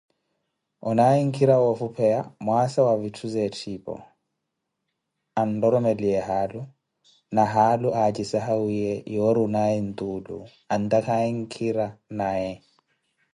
Onaaye nkhira woofupheya mwaasa wa vitthu za etthiipo, anroromeliye haalu, na haalu acisahawiye yoori onaaye ntuulu antakhaaye nkhira naye.